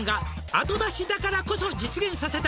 「あと出しだからこそ実現させた」